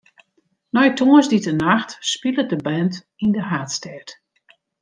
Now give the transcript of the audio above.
No tongersdeitenacht spilet de band yn de haadstêd.